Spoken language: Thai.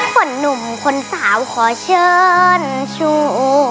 คนหนุ่มคนสาวขอเชิญชู